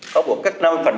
cá bộ cắt năm cá bộ cắt bảy